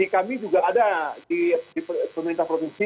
kami juga ada di pemerintah provinsi